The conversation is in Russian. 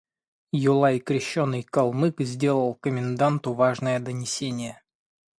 Юлай, крещеный калмык, сделал коменданту важное донесение.